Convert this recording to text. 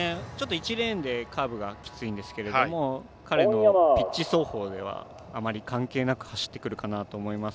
１レーン厳しいんですけど彼のピッチ走法ではあまり関係なく走ってくるかなと思います。